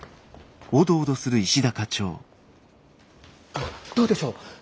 どどうでしょう。